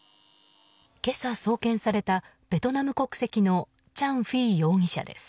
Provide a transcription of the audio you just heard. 今朝、送検されたベトナム国籍のチャン・フィー容疑者です。